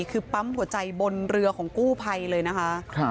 คือปั๊มหัวใจบนเรือของกู้ภัยเลยนะคะ